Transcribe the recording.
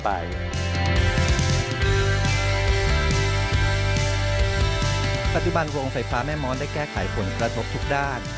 ปัจจุบันโรงไฟฟ้าแม่ม้อนได้แก้ไขผลกระทบทุกด้าน